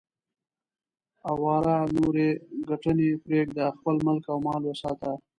اواره نورې ګټنې پرېږده، خپل ملک او مال وساته.